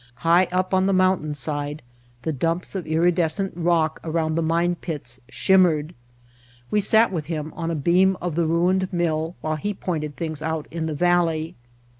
High up on the mountain side the dumps of iridescent rock around the mine pits shimmered. We sat with him on a beam of the ruined mill while he pointed things out in the valley.